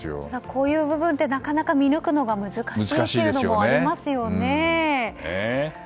こういう部分ってなかなか見抜くのが難しいというのもありますよね。